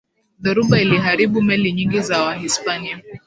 dhoruba iliharibu meli nyingi za wahispania